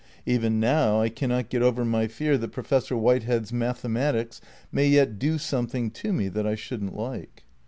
Even now I cannot get over my fear that Professor Whitehead's mathe matics may yet do something to me that I shouldn't like.